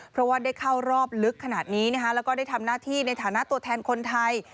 เพราะว่าได้เข้ารอบลึกขนาดนี้นะคะแล้วก็ได้ทำหน้าที่ในฐานะตัวแทนคนไทย